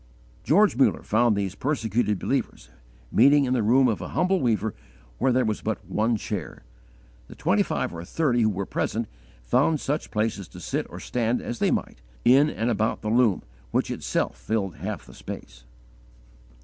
George Muller found these persecuted believers, meeting in the room of a humble weaver where there was but one chair. The twenty five or thirty who were present found such places to sit or stand as they might, in and about the loom, which itself filled half the space.